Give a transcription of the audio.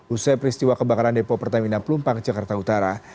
usai peristiwa kebakaran depo pertamina pelumpang jakarta utara